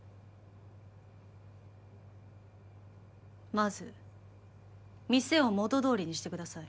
まず店を元どおりにしてください